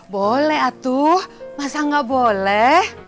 boleh atuh masa nggak boleh